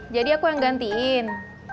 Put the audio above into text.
jadi aku yang gantiin